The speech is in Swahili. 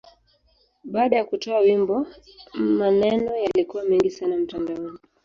Baada ya kutoa wimbo, maneno yalikuwa mengi sana mtandaoni.